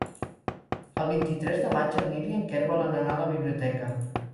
El vint-i-tres de maig en Nil i en Quer volen anar a la biblioteca.